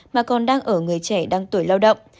mà còn đang ở người trẻ đang tuổi lao động